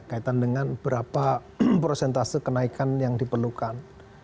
kaitan dengan berapa prosentase kenaikan yang diperlukan